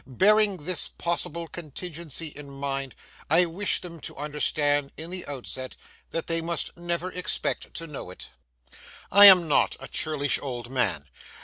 Bearing this possible contingency in mind, I wish them to understand, in the outset, that they must never expect to know it. I am not a churlish old man.